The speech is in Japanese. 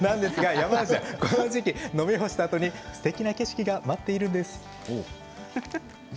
山梨は、この時期飲み干したあとにすてきな景色が待っているんです。